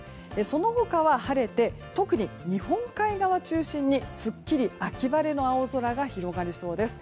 その他は晴れて特に日本海側を中心にすっきり秋晴れの青空が広がりそうです。